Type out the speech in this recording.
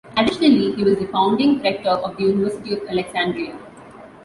Additionally, he was the founding Rector of the University of Alexandria.